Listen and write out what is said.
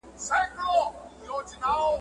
• ادم خان نر و، که ښځه؟